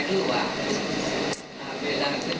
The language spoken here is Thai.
อืม